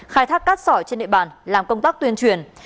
khai thác cát sỏi trên địa bàn làm công tác tuyên truyền